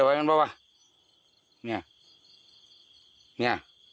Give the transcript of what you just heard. มางอนบอกว่าเนี้ยเนี้ย